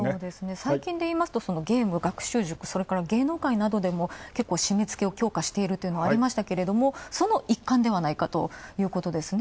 最近でいいますと、学習塾、それから芸能界などでもしめつけを強化しているとありましたけれども、その一環ではないかということですね。